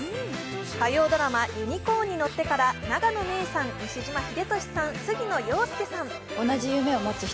火曜ドラマ「ユニコーンに乗って」から永野芽郁さん、西島秀俊さん、杉野遥亮さん。